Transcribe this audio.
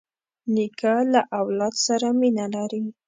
نیکه له اولاد سره مینه لري.